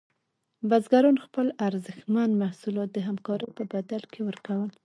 بزګران خپل ارزښتمن محصولات د همکارۍ په بدل کې ورکول.